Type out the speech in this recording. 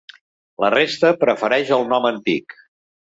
La resta prefereix el nom antic.